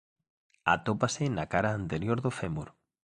Atópase na cara anterior do fémur.